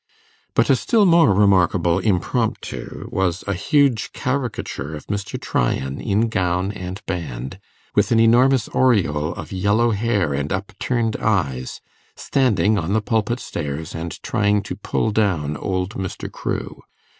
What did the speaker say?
But a still more remarkable impromptu was a huge caricature of Mr. Tryan in gown and band, with an enormous aureole of yellow hair and upturned eyes, standing on the pulpit stairs and trying to pull down old Mr. Crewe.